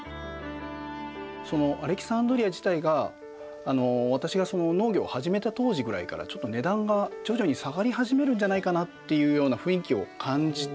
アレキサンドリア自体が私が農業を始めた当時ぐらいからちょっと値段が徐々に下がり始めるんじゃないかなっていうような雰囲気を感じて。